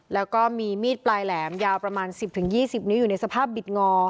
แล้วก็มีมีดปลายแหลมยาวประมาณ๑๐๒๐นิ้วอยู่ในสภาพบิดงอ